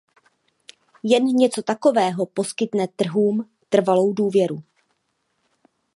Jen něco takového poskytne trhům trvalou důvěru.